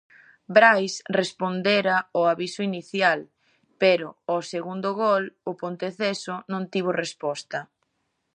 Brais respondera o aviso inicial, pero ao segundo gol o Ponteceso non tivo resposta.